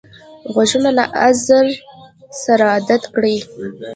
غوږونه له عذر سره عادت کړی